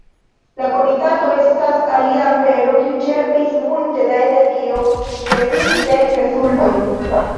La komitato estas alia afero kiu ĉerpis multe da energio de mi sen rezulto.